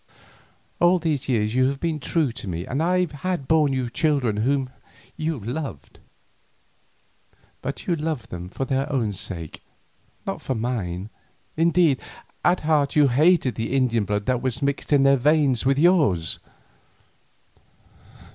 "All these years you had been true to me and I had borne you children whom you loved; but you loved them for their own sake, not for mine, indeed, at heart you hated the Indian blood that was mixed in their veins with yours.